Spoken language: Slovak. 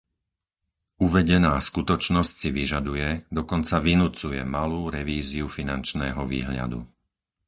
Uvedená skutočnosť si vyžaduje, dokonca vynucuje malú revíziu finančného výhľadu.